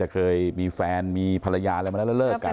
เคยมีแฟนมีภรรยาอะไรมาแล้วแล้วเลิกกัน